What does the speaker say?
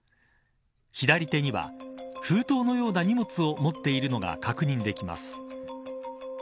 左手には封筒のような荷物を持っているのが確認できます。